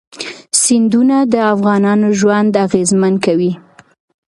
سیندونه د افغانانو ژوند اغېزمن کوي.